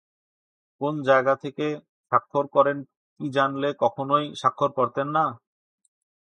কোন জায়গা থেকে স্বাক্ষর করেন কি জানলে কখনোই স্বাক্ষর করতেন না?